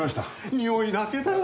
においだけだよ。